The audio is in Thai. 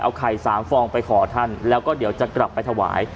เอาไข่๓ฟองไปขอท่านแล้วก็เดี๋ยวจะกลับไปถวาย